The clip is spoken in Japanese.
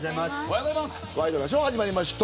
ワイドナショー始まりました。